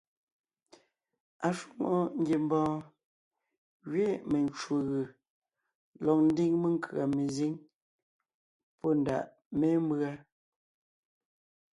Ashwòŋo ngiembɔɔn gẅiin mencwò gʉ̀ lɔg ńdiŋ menkʉ̀a mezíŋ pɔ́ ndàʼ mémbʉa.